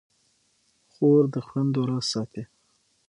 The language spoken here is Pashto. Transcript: خور د خویندو راز ساتي.